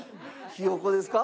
ヒヨコですか？